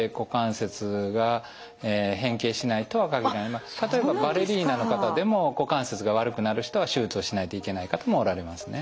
必ずしも例えばバレリーナの方でも股関節が悪くなる人は手術をしないといけない方もおられますね。